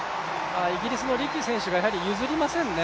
イギリスのリーキー選手が譲りませんね。